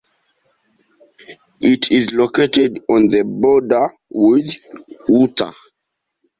It is located on the border with Utah.